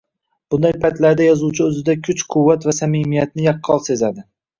Bunday paytlarda yozuvchi oʻzida kuch-quvvat va samimiyatni yaqqol sezadi